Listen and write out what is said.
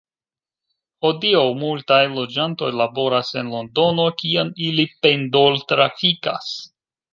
Hodiaŭ multaj loĝantoj laboras en Londono, kien ili pendol-trafikas.